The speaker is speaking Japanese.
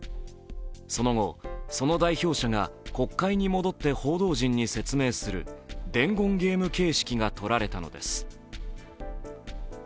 その後、その代表者が国会に戻って報道陣に説明する伝言ゲーム形式がとられたのです。